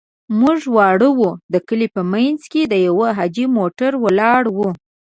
موږ واړه وو، د کلي په منځ کې د يوه حاجي موټر ولاړ و.